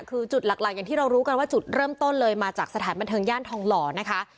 คือจุดหลักอย่างที่เรารู้กันว่าจุดเริ่มต้นเลยมาจากสถานบันเทิงย่านทองหล่อนะคะ